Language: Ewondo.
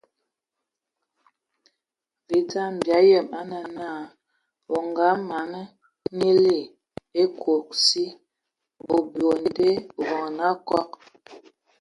Və e dzam bia yəm a nə na, eyɔŋ ongəgəma te a nyiinə ya a ekob si,a bye nsul o wa zu bonde okɔn.